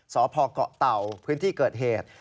สอพลักษณ์เกาะเตาที่เกิดเหตุ